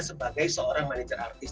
sebagai seorang manager artis